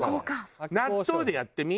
納豆でやってみ？